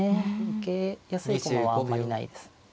受けやすい駒はあんまりないです。